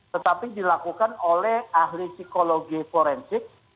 tetapi dilakukan oleh ahli psikologi forensik